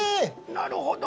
なるほど。